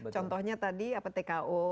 contohnya tadi tko